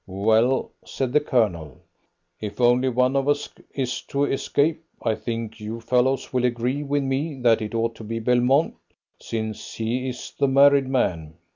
"Well," said the Colonel, "if only one of us is to escape, I think you fellows will agree with me that it ought to be Belmont, since he is the married man."